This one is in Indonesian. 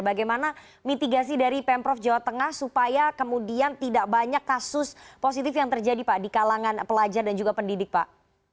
bagaimana mitigasi dari pemprov jawa tengah supaya kemudian tidak banyak kasus positif yang terjadi pak di kalangan pelajar dan juga pendidik pak